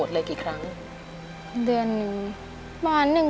แล้วก็เป็นเวลาเหนื่อย